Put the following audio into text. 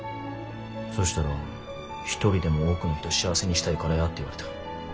そしたら一人でも多くの人幸せにしたいからやって言われた。